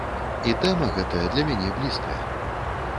І тэма гэтая для мяне блізкая.